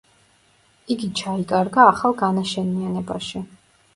იგი ჩაიკარგა ახალ განაშენიანებაში.